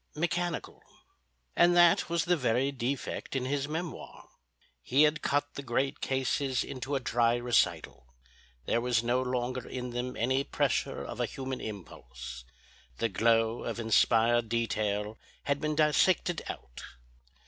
—mechanical. And that was the very defect in his memoir. He had cut the great cases into a dry recital. There was no longer in them any pressure of a human impulse. The glow of inspired detail had been dissected out.